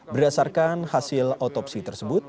berdasarkan hasil otopsi tersebut